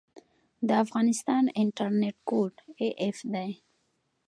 د افغانستان انټرنیټ کوډ af دی